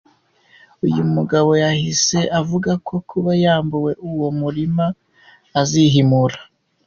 Uyu mugabo yahise avuga ko kuba yambuwe uwo murima azihimura.